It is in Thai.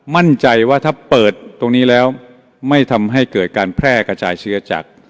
มั่นใจว่าถ้าเปิดตรงนี้แล้วไม่ทำให้เกิดการแพร่กระจายเชื้อจาก